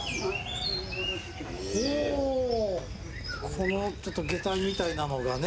このちょっとげたみたいなのがね。